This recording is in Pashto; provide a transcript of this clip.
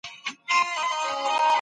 که ته کتاب ولولې نو پوهه به دې زياته سي.